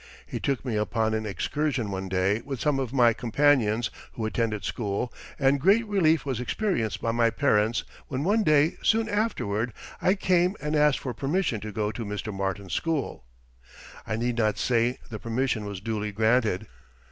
He took me upon an excursion one day with some of my companions who attended school, and great relief was experienced by my parents when one day soon afterward I came and asked for permission to go to Mr. Martin's school. I need not say the permission was duly granted.